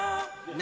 何？